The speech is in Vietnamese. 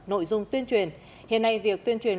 nội dung tuyên truyền hiện nay việc tuyên truyền